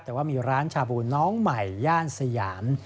แต่ว่ามีร้านชาบูน้องใหม่ย่านสยาม